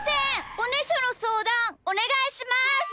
おねしょのそうだんおねがいします！